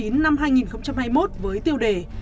năm hai nghìn hai mươi một với tiêu đề